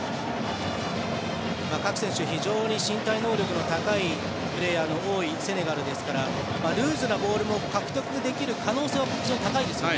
各選手、非常に身体能力の高い選手が多いセネガルですからルーズなボールも獲得できる可能性は高いですよね。